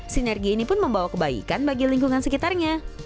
sinergi ini pun membawa kebaikan bagi lingkungan sekitarnya